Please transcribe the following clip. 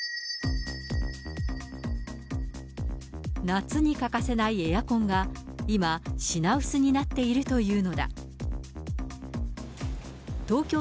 夏に欠かせないエアコンが、今、品薄になっているというのだ。